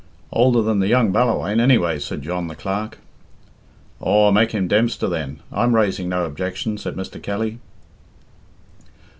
"Older than the young Ballawhaine, anyway," said John, the clerk. "Aw, make him Dempster, then. I'm raising no objection," said Mr. Kelly.